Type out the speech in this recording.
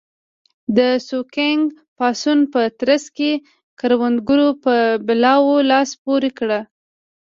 د سوینګ پاڅون په ترڅ کې کروندګرو په بلوا لاس پورې کړ.